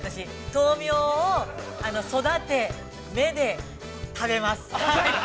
豆苗を育て、めで、食べます。